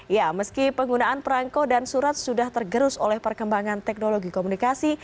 ya meski penggunaan perangko dan surat sudah tergerus oleh perkembangan teknologi komunikasi